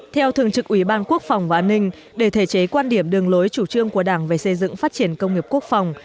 theo thường trực ủy ban quốc phòng và an ninh để thể chế quan điểm đường lối chủ trương của đảng về xây dựng phát triển công nghiệp quốc phòng